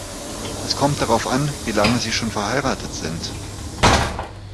Das kommt darauf an, wie lange Sie schon verheiratet sind.